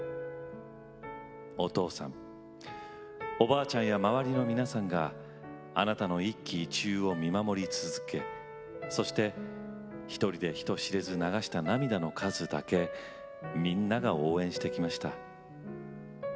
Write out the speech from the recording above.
お父さんおばあちゃんや周りの皆さんがあなたの一喜一憂を見守り続けそして一人で人知れず流した涙の数だけみんなが応援してきました。